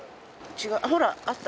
ほら、あった。